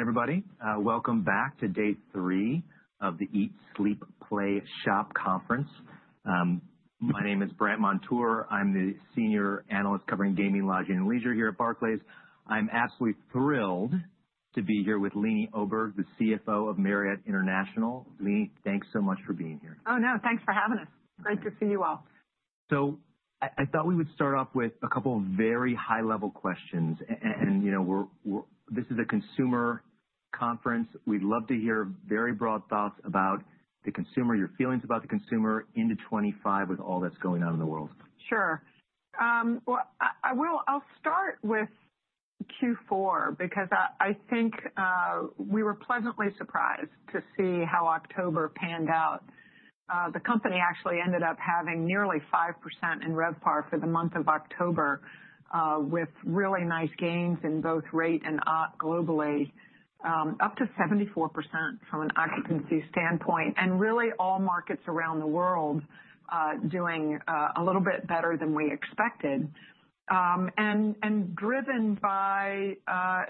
Hi, everybody. Welcome back to day three of the Eat, Sleep, Play Shop conference. My name is Brandt Montour. I'm the senior analyst covering gaming, lodging, and leisure here at Barclays. I'm absolutely thrilled to be here with Leeny Oberg, the CFO of Marriott International. Leeny, thanks so much for being here. Oh, no, thanks for having us. Great to see you all. So I thought we would start off with a couple of very high-level questions. And this is a consumer conference. We'd love to hear very broad thoughts about the consumer, your feelings about the consumer into 2025 with all that's going on in the world. Sure. Well, I'll start with Q4 because I think we were pleasantly surprised to see how October panned out. The company actually ended up having nearly 5% in RevPAR for the month of October, with really nice gains in both rate and up globally—up to 74% from an occupancy standpoint. And really all markets around the world doing a little bit better than we expectedand driven by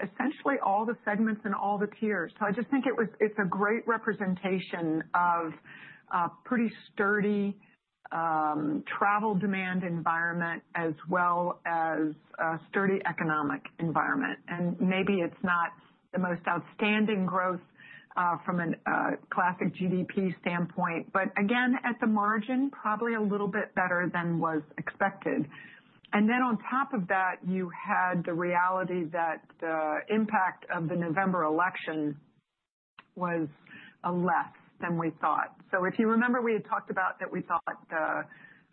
essentially all the segments and all the tiers. So, I just think it's a great representation of a pretty sturdy travel demand environment, as well as a sturdy economic environment. And maybe it's not the most outstanding growth from a classic GDP standpoint. But again, at the margin, probably a little bit better than was expected. And then on top of that, you had the reality that the impact of the November election was less than we thought. So, if you remember, we had talked about that we spoken that we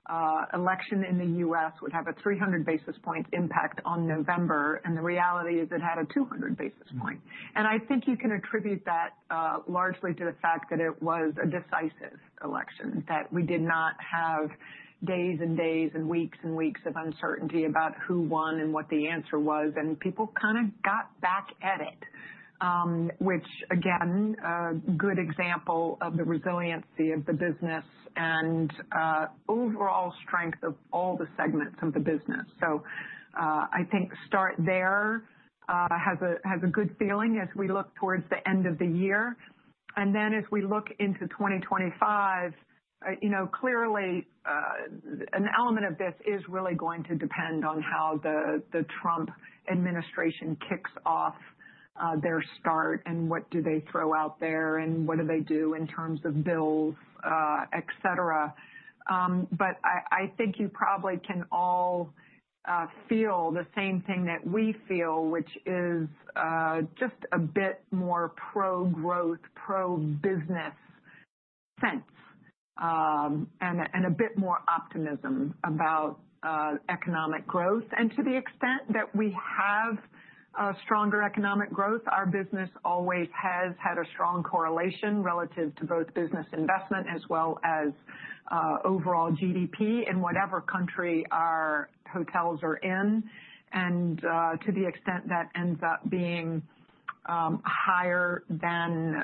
thought the election in the U.S. would have a 300-basis-point impact on November, and the reality is it had a 200 basis point. And I think you can attribute that largely to the fact that it was a decisive election, that we did not have days and days and weeks and weeks of uncertainty about who won and what the answer was. And people kind of got back at it, which, again, a good example of the resiliency of the business and overall strength of all the segments of the business. So, I think start there has a good feeling as we look towards the end of the year. And then as we look into 2025, clearly an element of this is really going to depend on how the Trump administration kicks off their start and what do they throw out there and what do they do in terms of bills, et cetera But I think you probably can all feel the same thing that we feel, which is just a bit more pro-growth, pro-business sense, and a bit more optimism about economic growth. And to the extent that we have stronger economic growth, our business always has had a strong correlation relative to both business investment as well as overall GDP in whatever country our hotels are in. And to the extent that ends up being higher than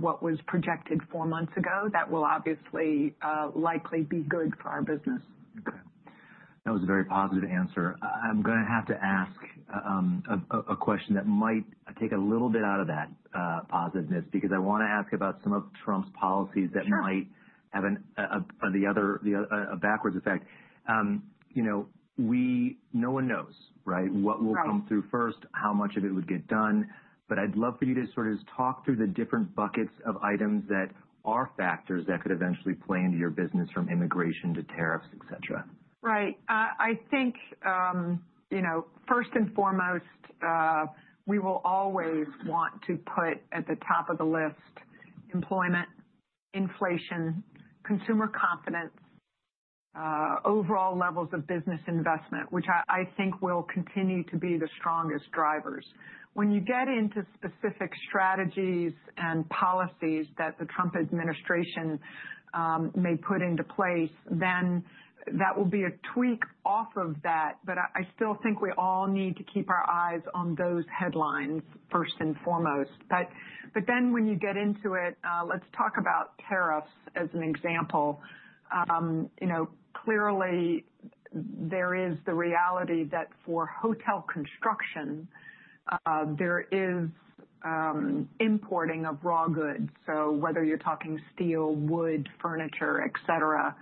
what was projected four months ago, that will obviously likely be good for our business. Okay. That was a very positive answer. I'm going to have to ask a question that might take a little bit out of that positiveness because I want to ask about some of Trump's policies that might have a backwards effect. No one knows, right, what will come through first, how much of it would get done. But I'd love for you to sort of talk through the different buckets of items that are factors that could eventually play into your business from immigration to tariffs, et cetera. Right. I think first and foremost, we will always want to put at the top of the list employment, inflation, consumer confidence, overall levels of business investment, which I think will continue to be the strongest drivers. When you get into specific strategies and policies that the Trump administration may put into place, then that will be a tweak off of that. But I still think we all need to keep our eyes on those headlines first and foremost. But then when you get into it, let's talk about tariffs as an example. Clearly, there is the reality that for hotel construction, there is importing of raw goods. So, whether you're talking steel, wood, furniture, et cetera,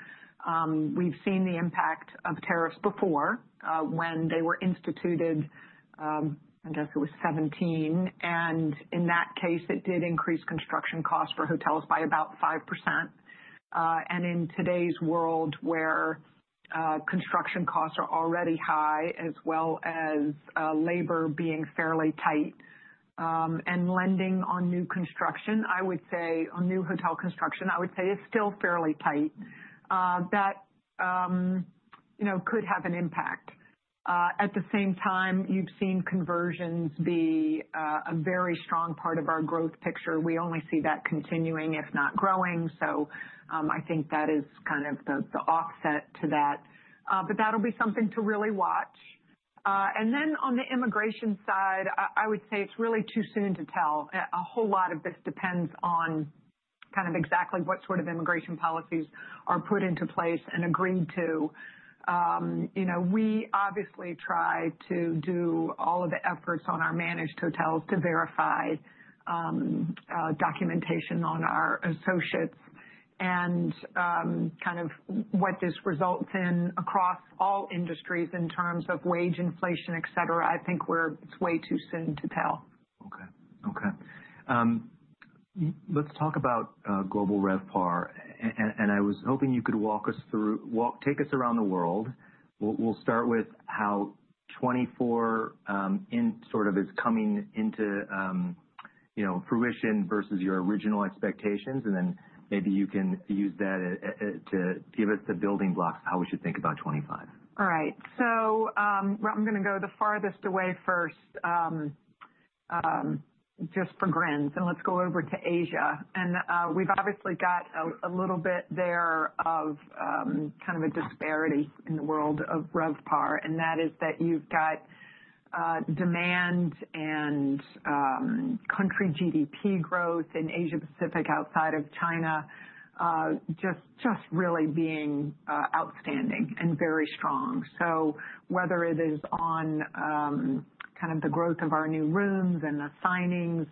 we've seen the impact of tariffs before when they were instituted, I guess it was 2017. And in that case, it did increase construction costs for hotels by about 5%. In today's world where construction costs are already high, as well as labor being fairly tight, and lending on new construction, I would say, on new hotel construction, I would say is still fairly tight, that could have an impact. At the same time, you've seen conversions be a very strong part of our growth picture. We only see that continuing, if not growing. I think that is kind of the offset to that. That'll be something to really watch. Then on the immigration side, I would say it's really too soon to tell. A whole lot of this depends on kind of exactly what sort of immigration policies are put into place and agreed to. We obviously try to do all of the efforts on our managed hotels to verify documentation on our associates. Kind of what this results in across all industries in terms of wage inflation, et cetera, I think it's way too soon to tell. Okay. Okay. Let's talk about global RevPAR, and I was hoping you could take us around the world. We'll start with how 2024 sort of is coming into fruition versus your original expectations, and then maybe you can use that to give us the building blocks of how we should think about 2025. All right. So I'm going to go the farthest away first just for grins, and let's go over to Asia, and we've obviously got a little bit there of kind of a disparity in the world of RevPAR. And that is that you've got demand and country GDP growth in Asia-Pacific outside of China just really being outstanding and very strong. So whether it is on kind of the growth of our new rooms and the signings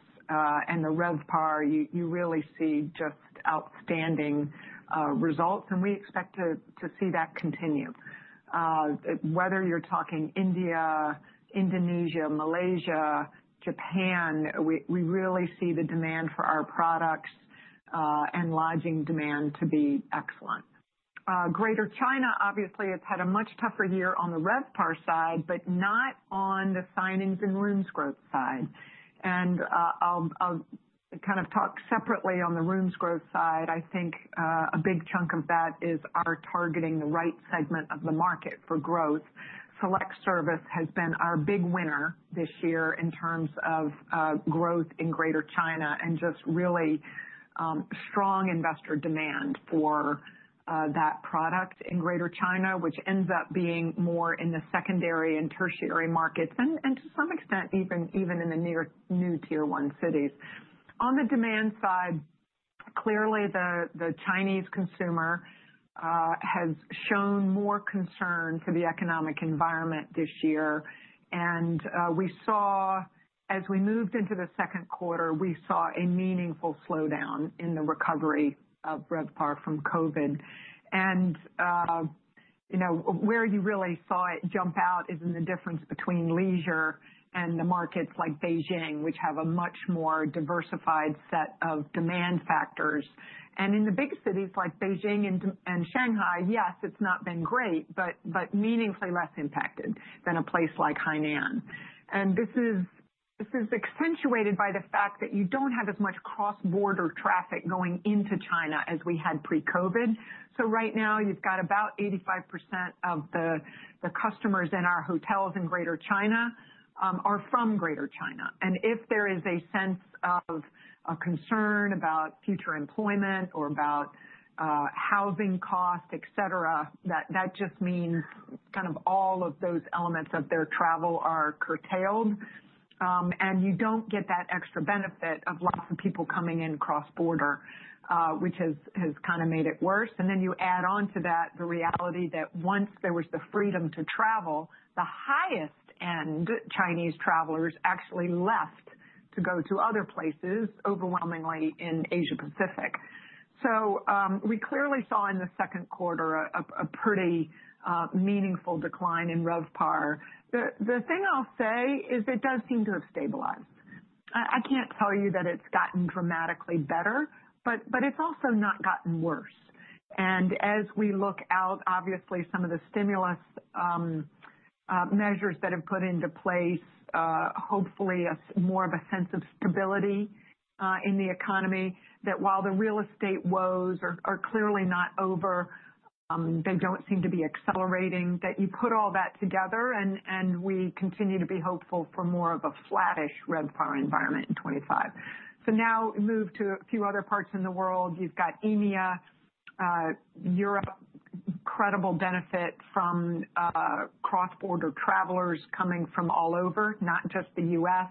and the RevPAR, you really see just outstanding results, and we expect to see that continue. Whether you're talking India, Indonesia, Malaysia, Japan, we really see the demand for our products and lodging demand to be excellent. Greater China, obviously, has had a much tougher year on the RevPAR side, but not on the signings and rooms growth side, and I'll kind of talk separately on the rooms growth side. I think a big chunk of that is our targeting the right segment of the market for growth. Select Service has been our big winner this year in terms of growth in Greater China and just really strong investor demand for that product in Greater China, which ends up being more in the secondary and tertiary markets and to some extent even in the new Tier 1 cities. On the demand side, clearly the Chinese consumer has shown more concern for the economic environment this year. As we moved into the Q2, we saw a meaningful slowdown in the recovery of RevPAR from COVID. Where you really saw it jump out is in the difference between leisure and the markets like Beijing, which have a much more diversified set of demand factors. In the big cities like Beijing and Shanghai, yes, it's not been great, but meaningfully less impacted than a place like Hainan. This is accentuated by the fact that you don't have as much cross-border traffic going into China as we had pre-COVID. So, right now, you've got about 85% of the customers in our hotels in Greater China are from Greater China. If there is a sense of concern about future employment or about housing costs, et cetera, that just means kind of all of those elements of their travel are curtailed. You don't get that extra benefit of lots of people coming in cross-border, which has kind of made it worse. You add on to that the reality that once there was the freedom to travel, the highest-end Chinese travelers actually left to go to other places, overwhelmingly in Asia-Pacific. So, we clearly saw in the Q2 a pretty meaningful decline in RevPAR. The thing I'll say is it does seem to have stabilized. I can't tell you that it's gotten dramatically better, but it's also not gotten worse. And as we look out, obviously, some of the stimulus measures that have put into place, hopefully, more of a sense of stability in the economy, that while the real estate woes are clearly not over, they don't seem to be accelerating, that you put all that together and we continue to be hopeful for more of a flattish RevPAR environment in 2025. So, now we move to a few other parts in the world. You've got EMEA, Europe, credible benefit from cross-border travelers coming from all over, not just the U.S.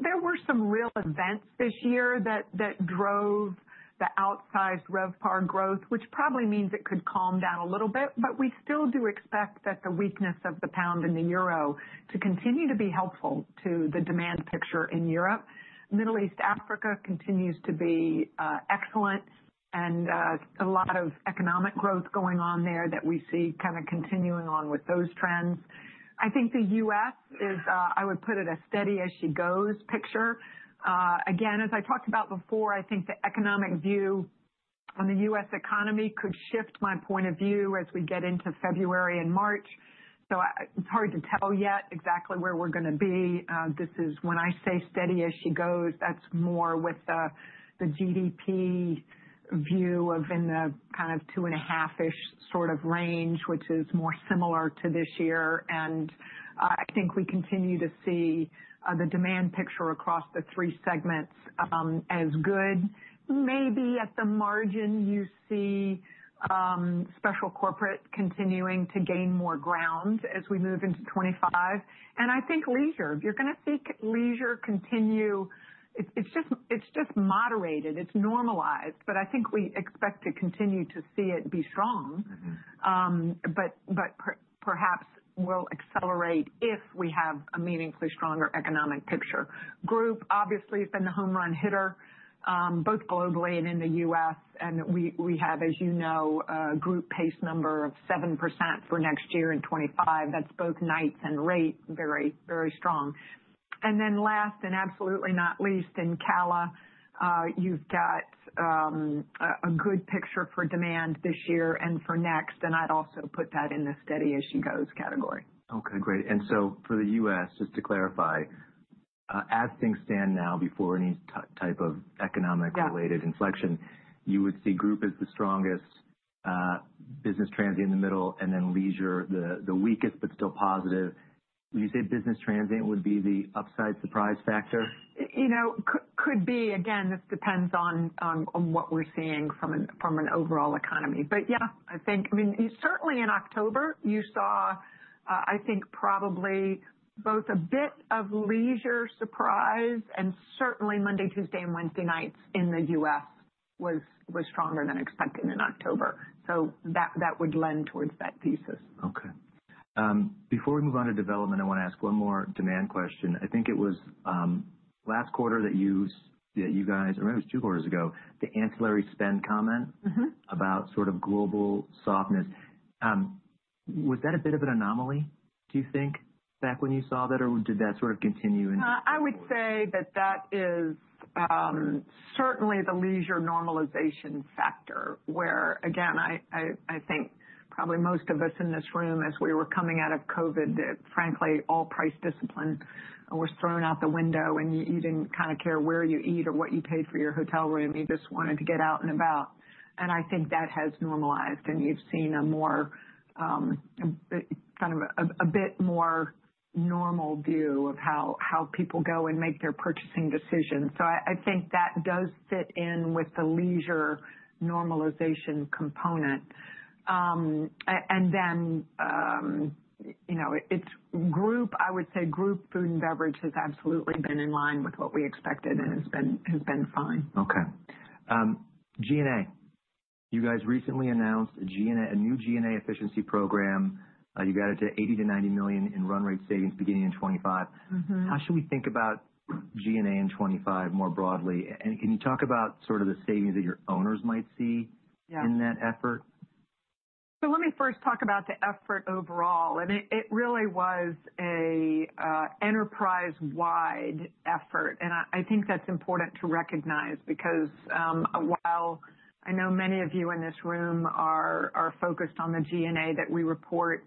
There were some real events this year that drove the outsized RevPAR growth, which probably means it could calm down a little bit, but we still do expect that the weakness of the pound and the euro to continue to be helpful to the demand picture in Europe. Middle East, Africa continues to be excellent and a lot of economic growth going on there that we see kind of continuing on with those trends. I think the U.S. is, I would put it, a steady-as-she-goes picture. Again, as I talked about before, I think the economic view on the U.S. economy could shift my point of view as we get into February and March, so it's hard to tell yet exactly where we're going to be. This is when I say steady-as-she-goes, that's more with the GDP view of in the kind of two and a half-ish sort of range, which is more similar to this year. And I think we continue to see the demand picture across the three segments as good. Maybe at the margin, you see special corporate continuing to gain more ground as we move into 2025. And I think leisure, you're going to see leisure continue. It's just moderated. It's normalized. But I think we expect to continue to see it be strong, but perhaps will accelerate if we have a meaningfully stronger economic picture. Group, obviously, has been the home run hitter both globally and in the U.S. And we have, as you know, Group pace number of 7% for next year in 2025. That's both nights and rate, very, very strong. Last and absolutely not least, in CALA, you've got a good picture for demand this year and for next. I'd also put that in the steady-as-she-goes category. Okay. Great. And so for the U.S., just to clarify, as things stand now before any type of economic-related inflection, you would see Group as the strongest, business transient in the middle, and then leisure the weakest but still positive. Would you say business transient would be the upside surprise factor? You know, could be. Again, this depends on what we're seeing from an overall economy. But yeah, I think, I mean, certainly in October, you saw, I think, probably both a bit of leisure surprise and certainly Monday, Tuesday, and Wednesday nights in the U.S. was stronger than expected in October. So, that would lend towards that thesis. Okay. Before we move on to development, I want to ask one more demand question. I think it was last quarter that you guys, or maybe it was two quarters ago, the ancillary spend comment about sort of global softness. Was that a bit of an anomaly, do you think, back when you saw that, or did that sort of continue? I would say that that is certainly the leisure normalization factor, where, again, I think probably most of us in this room, as we were coming out of COVID, frankly, all price discipline was thrown out the window. And you didn't kind of care where you eat or what you paid for your hotel room. You just wanted to get out and about. And I think that has normalized. And you've seen a more kind of a bit more normal view of how people go and make their purchasing decisions. So I think that does fit in with the leisure normalization component. And then it's Group, I would say Group Food and Beverage has absolutely been in line with what we expected and has been fine. Okay. G&A. You guys recently announced a new G&A efficiency program. You got it to $80 million-90 million in run rate savings beginning in 2025. How should we think about G&A in 2025 more broadly? And can you talk about sort of the savings that your owners might see in that effort? So let me first talk about the effort overall. And it really was an enterprise-wide effort. And I think that's important to recognize because while I know many of you in this room are focused on the G&A that we report,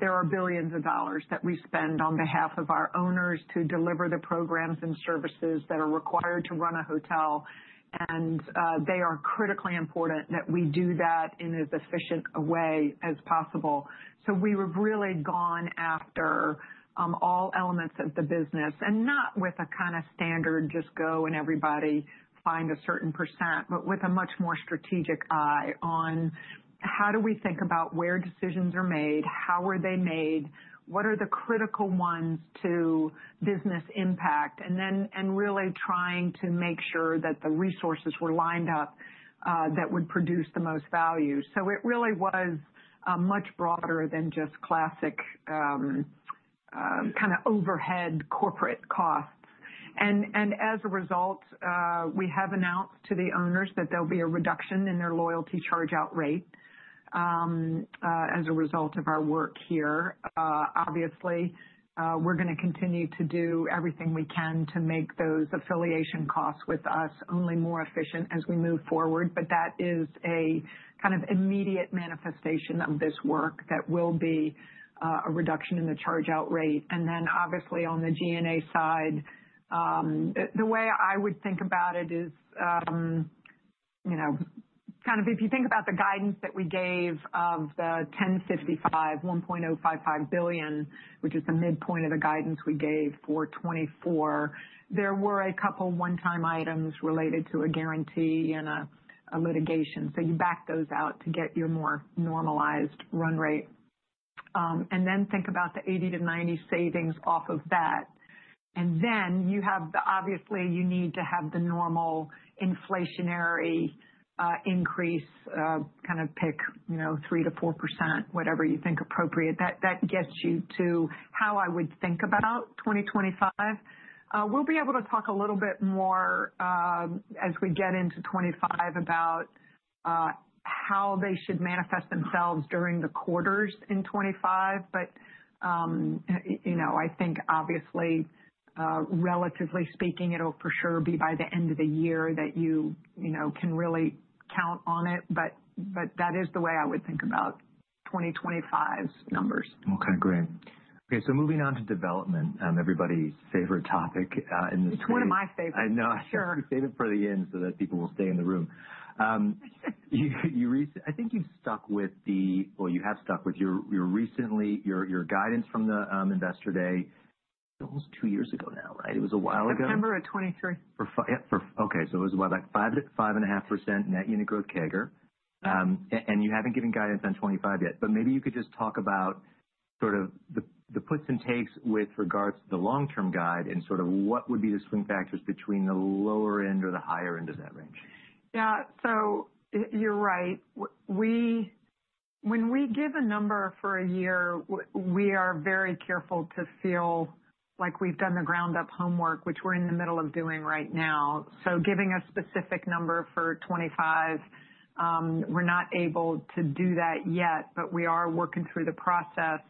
there are billions of dollars that we spend on behalf of our owners to deliver the programs and services that are required to run a hotel. And they are critically important that we do that in as efficient a way as possible. So we have really gone after all elements of the business and not with a kind of standard just go and everybody find a certain percent, but with a much more strategic eye on how do we think about where decisions are made, how are they made, what are the critical ones to business impact, and really trying to make sure that the resources were lined up that would produce the most value. So it really was much broader than just classic kind of overhead corporate costs. And as a result, we have announced to the owners that there'll be a reduction in their loyalty charge out rate as a result of our work here. Obviously, we're going to continue to do everything we can to make those affiliation costs with us only more efficient as we move forward. But that is a kind of immediate manifestation of this work that will be a reduction in the charge out rate. And then obviously on the G&A side, the way I would think about it is kind of if you think about the guidance that we gave of the $1.055 billion, which is the midpoint of the guidance we gave for 2024, there were a couple one-time items related to a guarantee and a litigation. So you back those out to get your more normalized run rate. And then think about the $80 to 90 million savings off of that. And then you have the obviously you need to have the normal inflationary increase, kind of pick 3% to 4%, whatever you think appropriate. That gets you to how I would think about 2025. We'll be able to talk a little bit more as we get into 2025 about how they should manifest themselves during the quarters in 2025, but I think obviously, relatively speaking, it'll for sure be by the end of the year that you can really count on it, but that is the way I would think about 2025's numbers. Okay. Great. Okay. So, moving on to development, everybody's favorite topic in this week. It's one of my favorites. I know. I have to save it for the end so that people will stay in the room. I think you've stuck with the, well, you have stuck with your recent guidance from the Investor Day. It was almost two years ago now, right? It was a while ago. September of 2023. Yep. Okay. So it was about 5.5% net unit growth CAGR. And you haven't given guidance on 2025 yet. But maybe you could just talk about sort of the puts and takes with regards to the long-term guide and sort of what would be the swing factors between the lower end or the higher end of that range. Yeah. So you're right. When we give a number for a year, we are very careful to feel like we've done the ground-up homework, which we're in the middle of doing right now. Giving a specific number for 2025, we're not able to do that yet, but we are working through the process.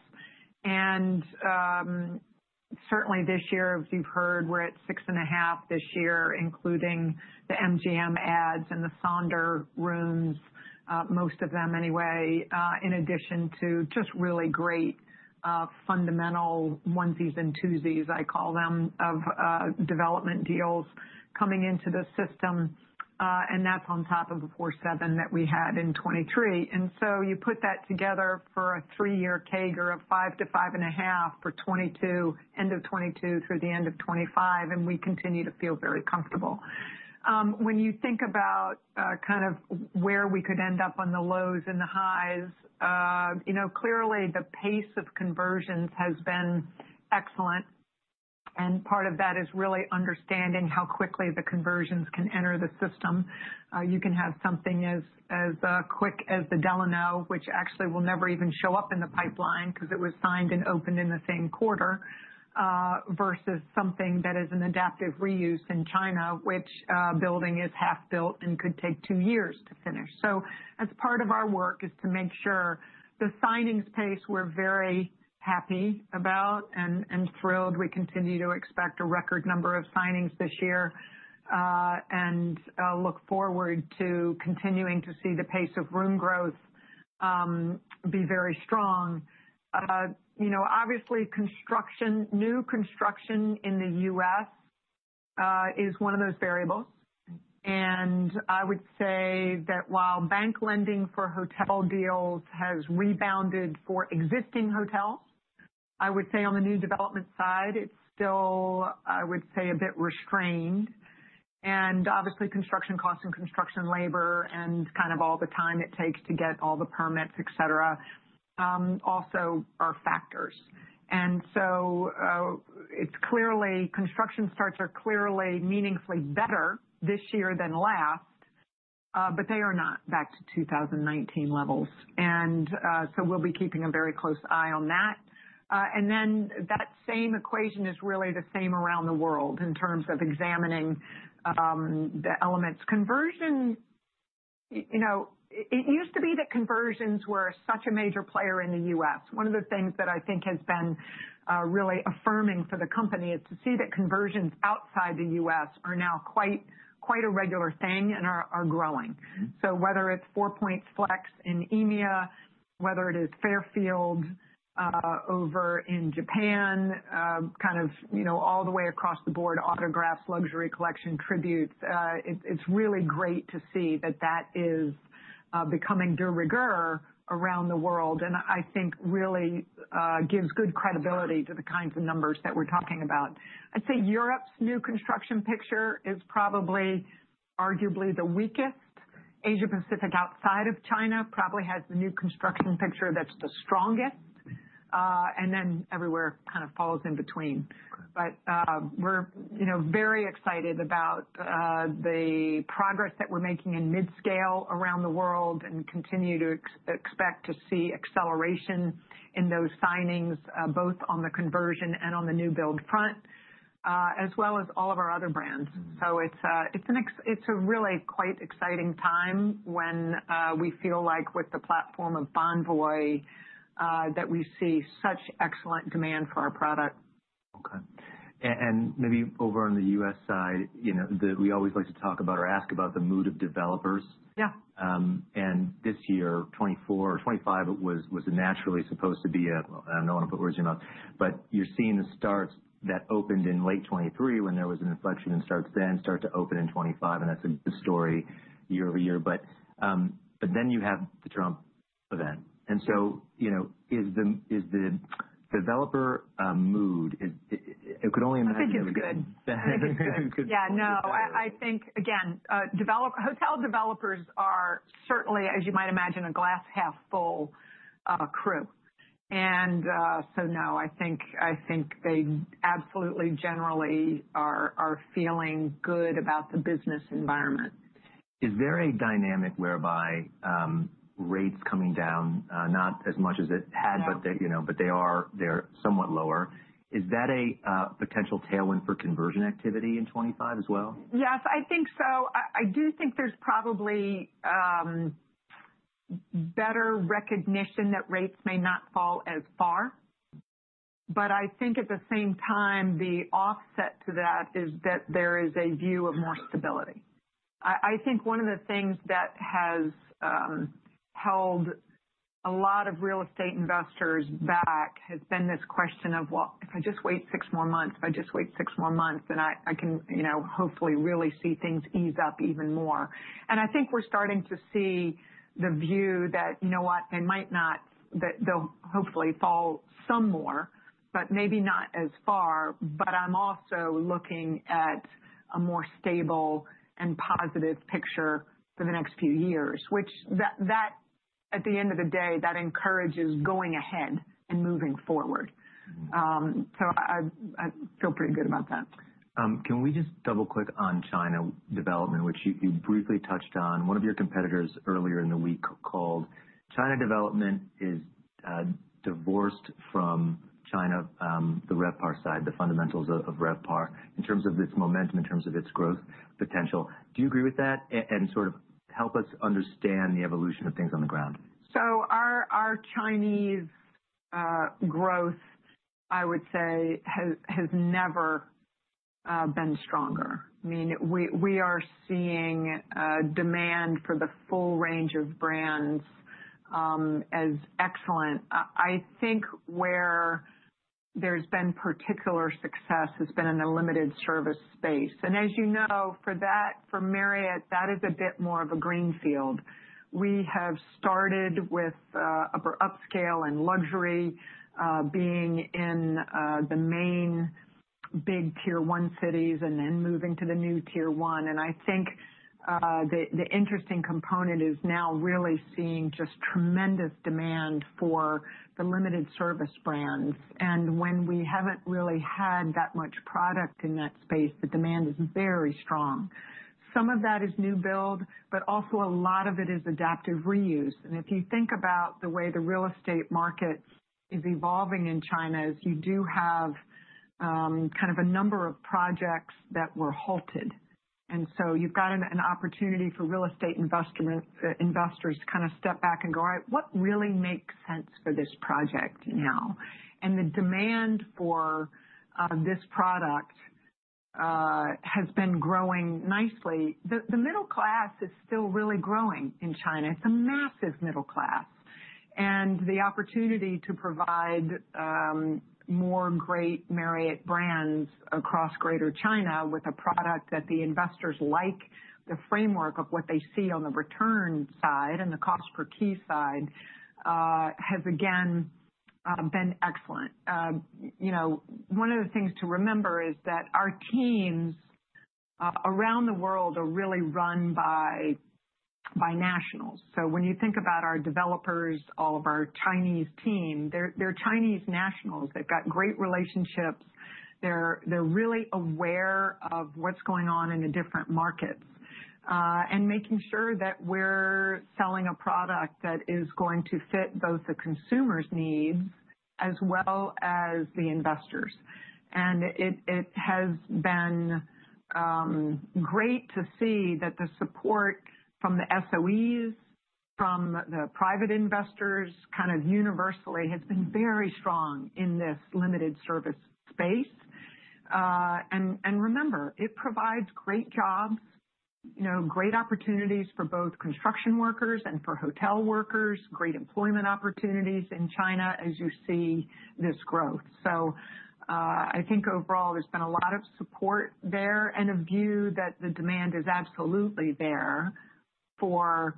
Certainly this year, as you've heard, we're at six and a half this year, including the MGM adds and the Sonder rooms, most of them anyway, in addition to just really great fundamental onesies and twosies, I call them, of development deals coming into the system. That's on top of the 4.7% that we had in 2023. So you put that together for a three-year CAGR of 5% to 5.5% for 2022, end of 2022 through the end of 2025, and we continue to feel very comfortable. When you think about kind of where we could end up on the lows and the highs, clearly the pace of conversions has been excellent. And part of that is really understanding how quickly the conversions can enter the system. You can have something as quick as the Delano, which actually will never even show up in the pipeline because it was signed and opened in the same quarter, versus something that is an adaptive reuse in China, which building is half built and could take two years to finish. So that's part of our work is to make sure the signing pace we're very happy about and thrilled. We continue to expect a record number of signings this year and look forward to continuing to see the pace of room growth be very strong. Obviously, construction, new construction in the U.S. is one of those variables. I would say that while bank lending for hotel deals has rebounded for existing hotels, I would say on the new development side, it's still, I would say, a bit restrained. Obviously, construction costs and construction labor and kind of all the time it takes to get all the permits, et cetera, also are factors. It's clearly construction starts are clearly meaningfully better this year than last, but they are not back to 2019 levels. We'll be keeping a very close eye on that. That same equation is really the same around the world in terms of examining the elements. Conversion—it used to be that conversions were such a major player in the U.S. One of the things that I think has been really affirming for the company is to see that conversions outside the U.S. are now quite a regular thing and are growing. So whether it's Four Points Flex in EMEA, whether it is Fairfield over in Japan, kind of all the way across the board, Autographs, Luxury Collection, Tributes, it's really great to see that that is becoming de rigueur around the world. And I think really gives good credibility to the kinds of numbers that we're talking about. I'd say Europe's new construction picture is probably arguably the weakest. Asia-Pacific outside of China probably has the new construction picture that's the strongest. And then everywhere kind of falls in between. But we're very excited about the progress that we're making in mid-scale around the world and continue to expect to see acceleration in those signings, both on the conversion and on the new build front, as well as all of our other brands. So it's a really quite exciting time when we feel like with the platform of Bonvoy that we see such excellent demand for our product. Okay. And maybe over on the U.S. side, we always like to talk about or ask about the mood of developers. And this year, 2024 or 2025, it was naturally supposed to be, I don't want to put words in your mouth, but you're seeing the starts that opened in late 2023 when there was an inflection and starts then start to open in 2025. And that's a good story year-over-year. But then you have the Trump event. And so, is the developer mood? It could only imagine it would be bad. I think it's good. Yeah. No. I think, again, hotel developers are certainly, as you might imagine, a glass half full crew. And so no, I think they absolutely generally are feeling good about the business environment. Is there a dynamic whereby rates coming down not as much as it had, but they are somewhat lower? Is that a potential tailwind for conversion activity in 2025 as well? Yes, I think so. I do think there's probably better recognition that rates may not fall as far. But I think at the same time, the offset to that is that there is a view of more stability. I think one of the things that has held a lot of real estate investors back has been this question of, "Well, if I just wait six more months, if I just wait six more months, then I can hopefully really see things ease up even more." And I think we're starting to see the view that, you know what, they might not, they'll hopefully fall some more, but maybe not as far. But I'm also looking at a more stable and positive picture for the next few years, which at the end of the day, that encourages going ahead and moving forward. So I feel pretty good about that. Can we just double-click on China development, which you briefly touched on? One of your competitors earlier in the week called China development is divorced from China, the RevPAR side, the fundamentals of RevPAR in terms of its momentum, in terms of its growth potential. Do you agree with that? And sort of help us understand the evolution of things on the ground. So, our Chinese growth, I would say, has never been stronger. I mean, we are seeing demand for the full range of brands as excellent. I think where there's been particular success has been in the limited service space. And as you know, for Marriott, that is a bit more of a greenfield. We have started with upscale and luxury being in the main big Tier 1 cities and then moving to the new Tier 1. And I think the interesting component is now really seeing just tremendous demand for the limited service brands. And when we haven't really had that much product in that space, the demand is very strong. Some of that is new build, but also a lot of it is adaptive reuse. If you think about the way the real estate market is evolving in China, you do have kind of a number of projects that were halted. So you've got an opportunity for real estate investors to kind of step back and go, "All right, what really makes sense for this project now?" The demand for this product has been growing nicely. The middle class is still really growing in China. It's a massive middle class. The opportunity to provide more great Marriott brands across Greater China with a product that the investors like, the framework of what they see on the return side and the cost per key side has again been excellent. One of the things to remember is that our teams around the world are really run by nationals. So when you think about our developers, all of our Chinese team, they're Chinese nationals. They've got great relationships. They're really aware of what's going on in the different markets and making sure that we're selling a product that is going to fit both the consumers' needs as well as the investors. And it has been great to see that the support from the SOEs, from the private investors kind of universally has been very strong in this limited service space. And remember, it provides great jobs, great opportunities for both construction workers and for hotel workers, great employment opportunities in China as you see this growth. So I think overall, there's been a lot of support there and a view that the demand is absolutely there for,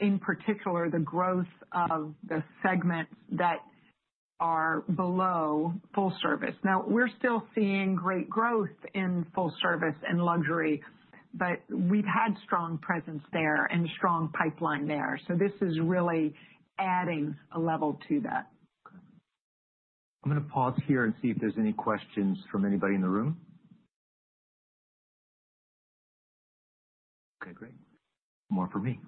in particular, the growth of the segments that are below full service. Now, we're still seeing great growth in full service and luxury, but we've had strong presence there and a strong pipeline there. So this is really adding a level to that. I'm going to pause here and see if there's any questions from anybody in the room. Okay. Great. More for me.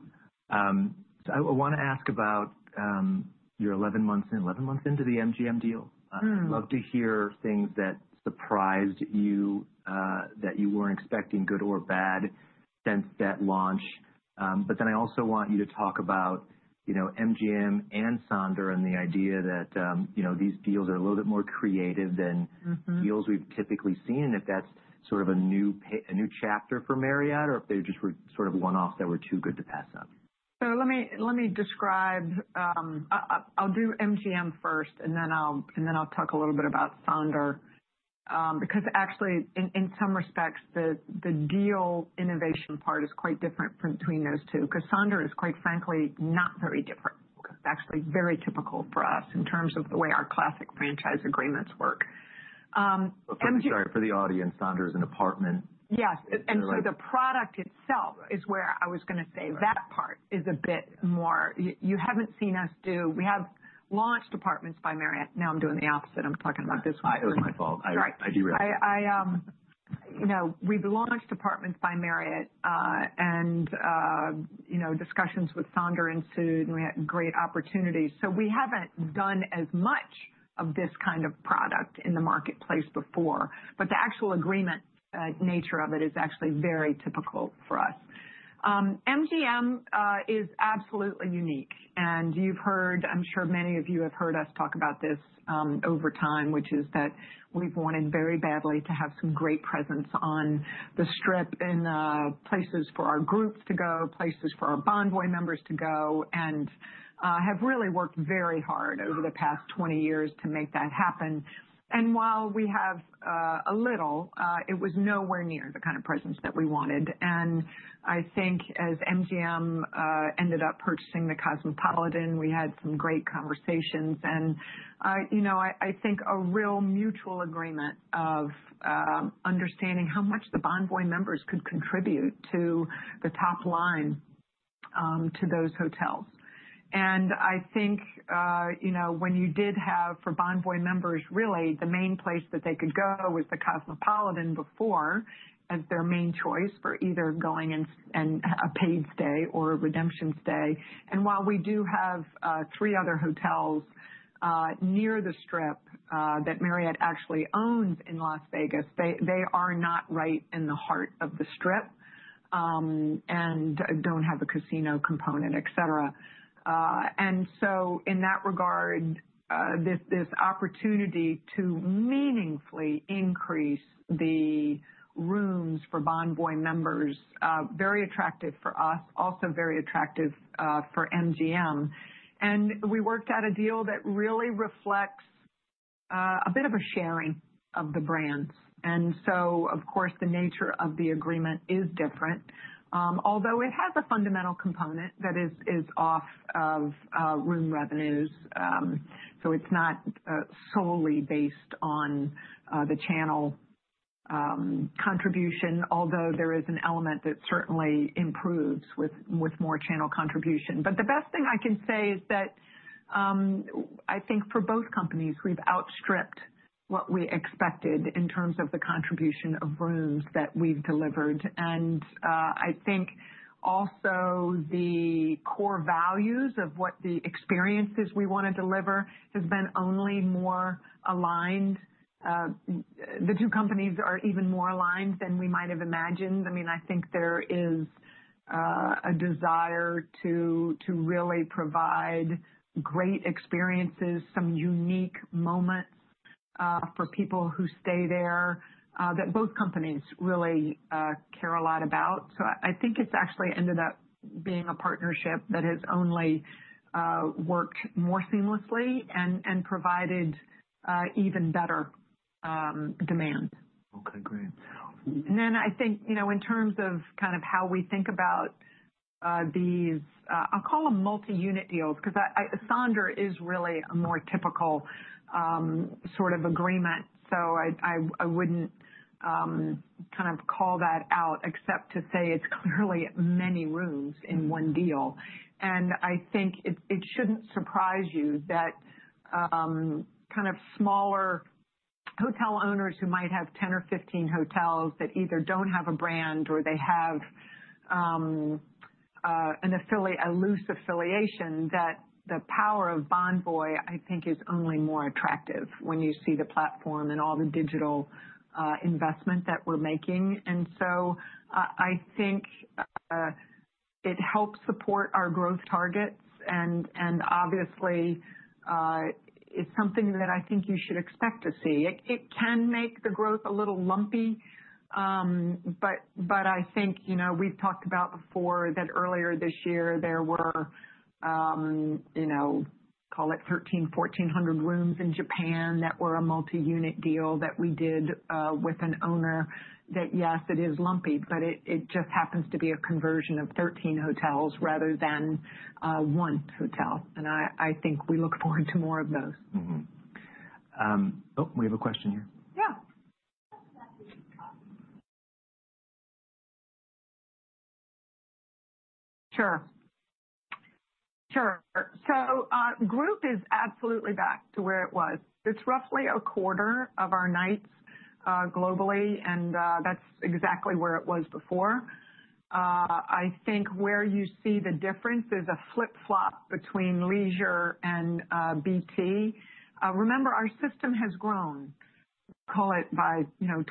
So, I want to ask about your 11 months—11 months into the MGM deal. I'd love to hear things that surprised you that you weren't expecting good or bad since that launch. But then I also want you to talk about MGM and Sonder and the idea that these deals are a little bit more creative than deals we've typically seen, if that's sort of a new chapter for Marriott or if they just were sort of one-offs that were too good to pass up. So let me describe. I'll do MGM first, and then I'll talk a little bit about Sonder. Because actually, in some respects, the deal innovation part is quite different between those two because Sonder is, quite frankly, not very different. It's actually very typical for us in terms of the way our classic franchise agreements work. I'm sorry for the audience. Sonder is an apartment. Yes, and so the product itself is where I was going to say that part is a bit more, you haven't seen us do. We have launched Apartments by Marriott. Now I'm doing the opposite. I'm talking about this one. It was my fault. I derailed you. We've launched Apartments by Marriott, and discussions with Sonder ensued, and we had great opportunities, so we haven't done as much of this kind of product in the marketplace before, but the actual agreement nature of it is actually very typical for us. MGM is absolutely unique, and you've heard, I'm sure many of you have heard us talk about this over time, which is that we've wanted very badly to have some great presence on the Strip in places for our groups to go, places for our Bonvoy members to go, and have really worked very hard over the past 20 years to make that happen, and while we have a little, it was nowhere near the kind of presence that we wanted, and I think as MGM ended up purchasing the Cosmopolitan, we had some great conversations. And I think a real mutual agreement of understanding how much the Bonvoy members could contribute to the top line to those hotels. And I think when you did have for Bonvoy members, really the main place that they could go was the Cosmopolitan before as their main choice for either going and a paid stay or a redemption stay. And while we do have three other hotels near the Strip that Marriott actually owns in Las Vegas, they are not right in the heart of the Strip and don't have a casino component, et cetera. And so in that regard, this opportunity to meaningfully increase the rooms for Bonvoy members is very attractive for us, also very attractive for MGM. And we worked out a deal that really reflects a bit of a sharing of the brands. Of course, the nature of the agreement is different, although it has a fundamental component that is off of room revenues. It's not solely based on the channel contribution, although there is an element that certainly improves with more channel contribution. The best thing I can say is that I think for both companies, we've outstripped what we expected in terms of the contribution of rooms that we've delivered. The core values of what the experiences we want to deliver have been only more aligned. The two companies are even more aligned than we might have imagined. I mean, I think there is a desire to really provide great experiences, some unique moments for people who stay there that both companies really care a lot about. So I think it's actually ended up being a partnership that has only worked more seamlessly and provided even better demand. Okay. Great. And then I think in terms of kind of how we think about these, I'll call them multi-unit deals because Sonder is really a more typical sort of agreement. So I wouldn't kind of call that out except to say it's clearly many rooms in one deal. And I think it shouldn't surprise you that kind of smaller hotel owners who might have 10 or 15 hotels that either don't have a brand or they have a loose affiliation, that the power of Bonvoy, I think, is only more attractive when you see the platform and all the digital investment that we're making. And so I think it helps support our growth targets. And obviously, it's something that I think you should expect to see. It can make the growth a little lumpy. But I think we've talked about before that earlier this year, there were, call it 1,300, 1,400 rooms in Japan that were a multi-unit deal that we did with an owner that, yes, it is lumpy, but it just happens to be a conversion of 13 hotels rather than one hotel. And I think we look forward to more of those. Oh, we have a question here. Yeah. Sure. Sure. So group is absolutely back to where it was. It's roughly a quarter of our nights globally, and that's exactly where it was before. I think where you see the difference is a flip-flop between leisure and BT. Remember, our system has grown, call it by 20%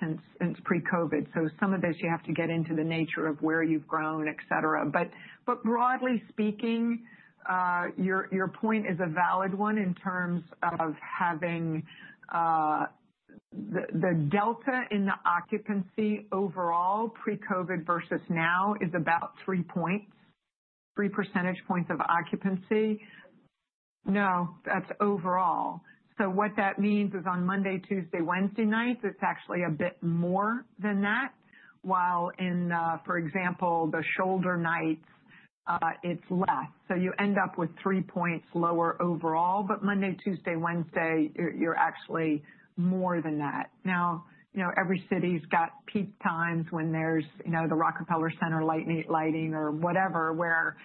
since pre-COVID. So some of this, you have to get into the nature of where you've grown, et cetera. But broadly speaking, your point is a valid one in terms of having the delta in the occupancy overall pre-COVID versus now is about three points, three percentage points, of occupancy. No, that's overall. So what that means is on Monday, Tuesday, Wednesday nights, it's actually a bit more than that. While in, for example, the shoulder nights, it's less. So you end up with three points lower overall, but Monday, Tuesday, Wednesday, you're actually more than that. Now, every city's got peak times when there's the Rockefeller Center lighting or whatever where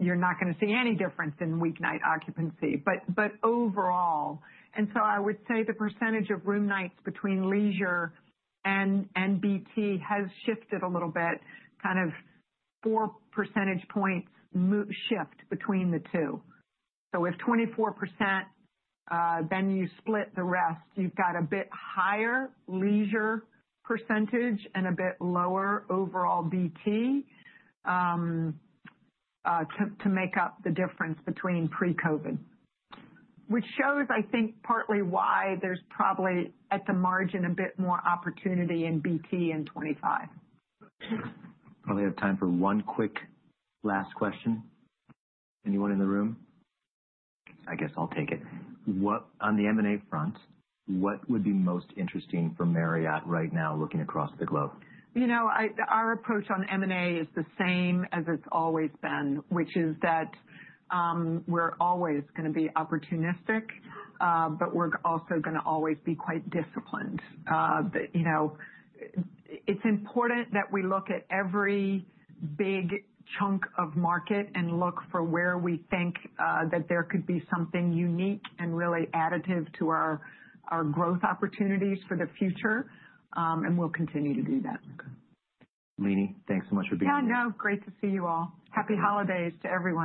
you're not going to see any difference in weeknight occupancy, but overall, and so I would say the percentage of room nights between leisure and BT has shifted a little bit, kind of four percentage points shift between the two. So, if 24%, then you split the rest, you've got a bit higher leisure percentage and a bit lower overall BT to make up the difference between pre-COVID, which shows, I think, partly why there's probably at the margin a bit more opportunity in BT in 2025. Probably have time for one quick last question. Anyone in the room? I guess I'll take it. On the M&A front, what would be most interesting for Marriott right now looking across the globe? Our approach on M&A is the same as it's always been, which is that we're always going to be opportunistic, but we're also going to always be quite disciplined. It's important that we look at every big chunk of market and look for where we think that there could be something unique and really additive to our growth opportunities for the future, and we'll continue to do that. Leeny, thanks so much for being here. Yeah. No, great to see you all. Happy holidays to everyone.